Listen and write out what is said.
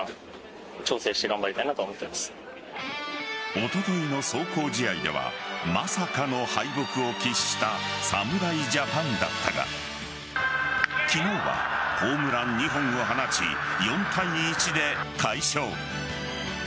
おとといの壮行試合ではまさかの敗北を喫した侍ジャパンだったが昨日はホームラン２本を放ち４対１で快勝。